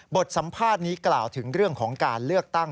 บทสัมภาษณ์นี้กล่าวถึงเรื่องของการเลือกตั้ง